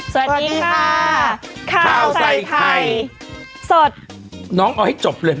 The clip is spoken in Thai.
สวัสดีค่ะข้าวใส่ไข่สดน้องเอาให้จบเลย